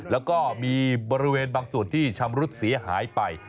แล้วก็มีบริเวณบางส่วนที่ชำรุดเสียหายไป